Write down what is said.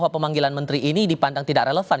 pemanggilan menteri ini dipandang tidak relevan